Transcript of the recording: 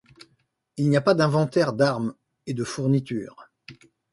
Il n'y a pas d'inventaire d'armes et de fournitures.